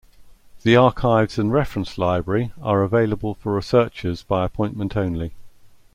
The archives and reference library are available for researchers by appointment only.